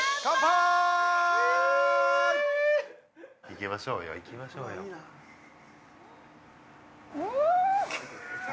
いきましょうよいきましょうようん！